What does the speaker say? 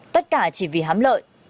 tất cả chỉ vì hám lợi